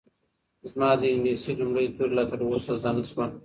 زما د انګلیسي لومړي توري لا تر اوسه زده نه شول.